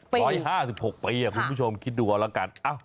๑๕๖ปีอีก๑๕๖ปีคุณผู้ชมคิดดูออกแล้วกัน